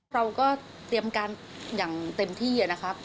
เราก็เตรียมการอย่างเต็มที่นะครับ